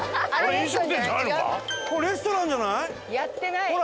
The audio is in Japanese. レストランじゃない？